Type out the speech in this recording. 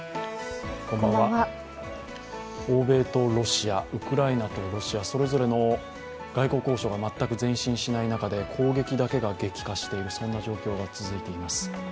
欧米とロシア、ウクライナとロシアそれぞれの外交交渉が全く前進しない中で攻撃だけが激化している状況が続いています。